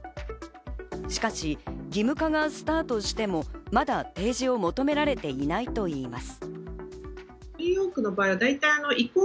しかし義務化がスタートしても、まだ提示を求められていないといいます。